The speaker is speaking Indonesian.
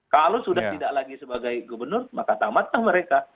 kalau sudah tidak lagi sebagai gubernur maka tamatlah mereka